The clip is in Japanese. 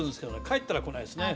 帰ったら来ないですね。